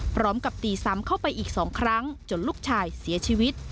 พร้อมกับตีซ้ำเข้าไปอีก๒ครั้งจนลูกชายเสียชีวิต